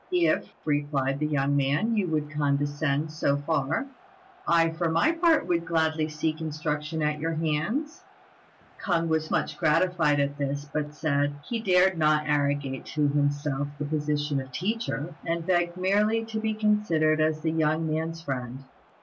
"If," replied the young man, "you would condescend so far, I for my part would gladly seek instruction at your hands." K'ung was much gratified at this, but said he dared not arrogate to himself the position of teacher, and begged merely to be considered as the young man's friend.